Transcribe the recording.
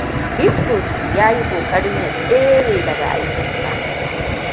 Bitrus ya yi ƙoƙarin ya tserewa daga aikinsa.